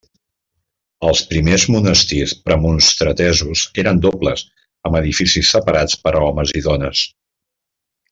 Els primers monestirs premonstratesos eren dobles, amb edificis separats per a homes i dones.